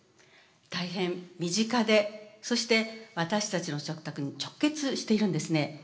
大変身近でそして私たちの食卓に直結しているんですね。